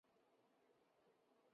康熙五十年升任偏沅巡抚。